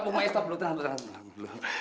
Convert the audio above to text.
bu maya stop dulu tahan tahan tahan